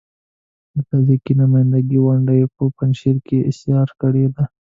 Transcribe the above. د تاجکي نمايندګۍ ونډه يې په پنجشیر کې اېسار کړې ده.